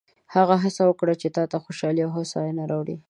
هغه هڅه وکړه چې تا ته خوشحالي او هوساینه راوړي.